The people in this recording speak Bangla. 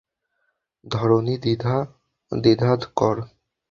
ধরণি দ্বিধা কর!